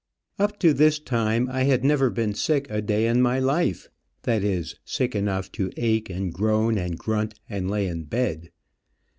Up to this time I had never been sick a day in my life, that is, sick enough to ache and groan and grunt, and lay in bed.